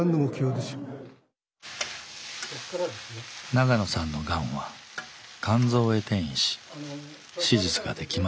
長野さんのがんは肝臓へ転移し手術ができません。